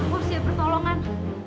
aku siap pertolongan